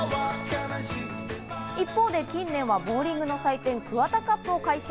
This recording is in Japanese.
一方で近年はボウリングの祭典・ＫＵＷＡＴＡＣＵＰを開催。